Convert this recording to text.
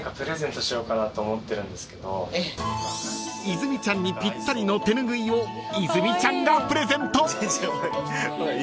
［泉ちゃんにぴったりのてぬぐいを泉ちゃんがプレゼント］